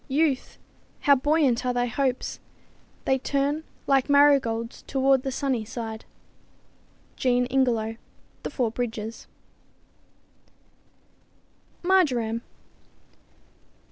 Youth! how buoyant are thy hopes! They turn Like marigolds toward the sunny side," Jean Ingelow "The Four Bridges" =Marjoram.